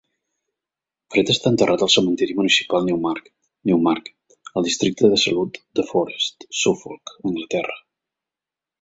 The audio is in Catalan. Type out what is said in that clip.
Fred està enterrat al Cementiri Municipal Newmarket, Newmarket, al districte de salut de Forest, Suffolk, Anglaterra.